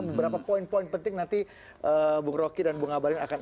beberapa poin poin penting nanti bunga rocky dan bunga balin akan